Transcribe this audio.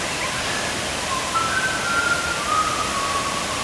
Guaty is married to British songwriter Sy Rhys Kaye.